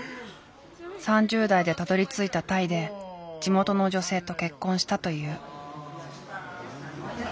３０代でたどりついたタイで地元の女性と結婚したという。